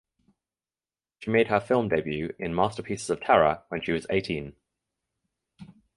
She made her film debut in "Masterpieces of Terror" when she was eighteen.